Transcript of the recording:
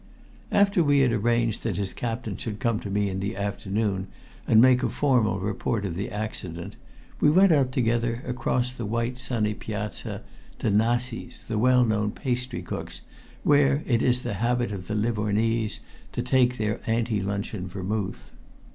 After we had arranged that his captain should come to me in the afternoon and make a formal report of the accident, we went out together across the white sunny piazza to Nasi's, the well known pastry cook's, where it is the habit of the Livornese to take their ante luncheon vermouth.